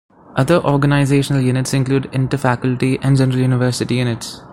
Other organizational units include interfaculty and general university units.